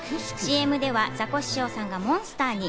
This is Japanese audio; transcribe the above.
ＣＭではザコシショウさんがモンスターに、